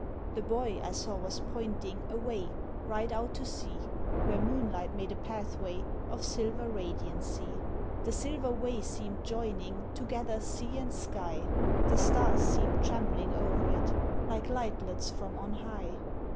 The boy I saw was pointing Away, right out to sea, Where moonlight made a pathway, Of silver radiancy. The silver way seemed joining Together sea and sky, The stars seemed trembling o'er it, Like lightlets from on high.